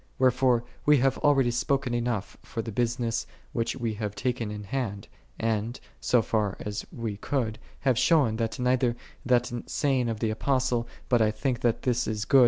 Wherefore we have already spoken enough for the business which we have taken in hand, and, so far as we I could, have shown, that neither that saying j of the Apostle, " But I think that this is good